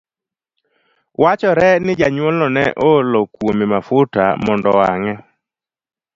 Wachore ni janyuolno ne oolo kuome mafuta mondo owang'e.